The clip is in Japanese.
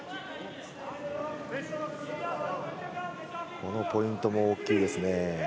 このポイントも大きいですね。